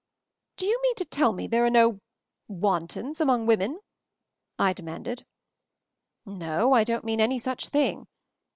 "Do you mean to tell me there are no —* wantons — among women?" I demanded. "No, I don't mean any such thing.